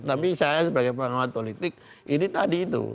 tapi saya sebagai pengawat politik ini tadi itu